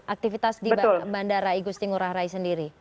aktivitas di bandara igusti ngurah rai sendiri